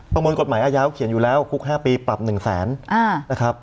ประมวลกฎหมายอาญาเขาเขียนอยู่แล้วคุก๕ปีปรับ๑แสนนะครับ